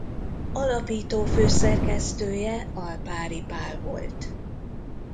Alapító főszerkesztője Alpári Pál volt.